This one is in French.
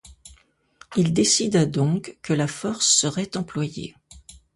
Il décida donc que la force serait employée.